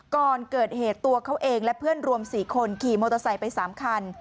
ก่อนเกิดเหตุตัวเขาเองและเพื่อนรวม๔คนขี่มอเตอร์ไซค์ไป๓คัน